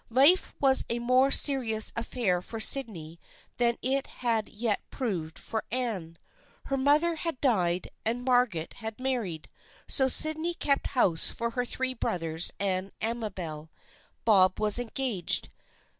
Life was a more serious affair for Sydney than it had yet proved for Anne. Her mother had died and Margaret had married, so Sydney kept house for her three brothers and Amabel. Bob was engaged.